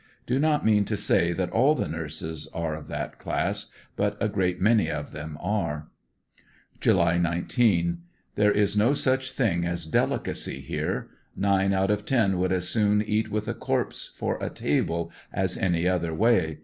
Do not mean to say that all the nurses are of that class but a great many of them are. July 19. —There is no such thing as delicacy here. Nine out of ten would as soon eat with a corpse for a table as any other way